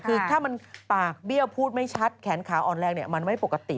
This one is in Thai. คือถ้ามันปากเบี้ยวพูดไม่ชัดแขนขาอ่อนแรงมันไม่ปกติ